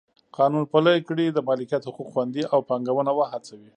قانون پلی کړي د مالکیت حقوق خوندي او پانګونه وهڅوي.